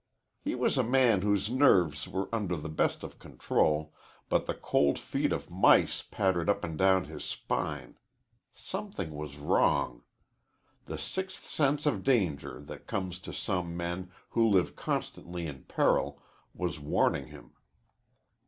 He was a man whose nerves were under the best of control, but the cold feet of mice pattered up and down his spine. Something was wrong. The sixth sense of danger that comes to some men who live constantly in peril was warning him.